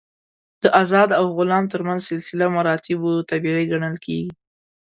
د آزاد او غلام تر منځ سلسله مراتبو طبیعي ګڼل کېږي.